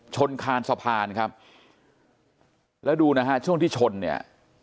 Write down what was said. ชนคานสะพานครับแล้วดูนะฮะช่วงที่ชนเนี่ย